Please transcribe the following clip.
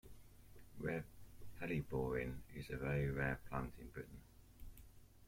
Red Helleborine is a very rare plant in Britain.